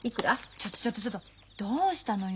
ちょっとちょっとちょっとどうしたのよ？